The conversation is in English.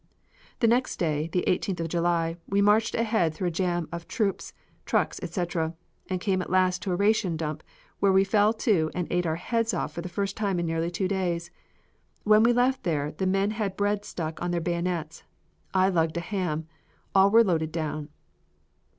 The next day, the 18th of July, we marched ahead through a jam of troops, trucks, etc., and came at last to a ration dump where we fell to and ate our heads off for the first time in nearly two days. When we left there, the men had bread stuck on their bayonets. I lugged a ham. All were loaded down.